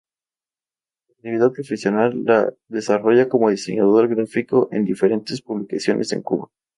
Su actividad profesional la desarrolla como diseñador gráfico en diferentes publicaciones en Cuba.